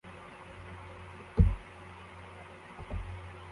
Umugabo ufashe umwana mumazi